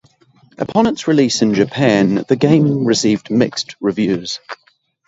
Upon its release in Japan, the game received mixed reviews.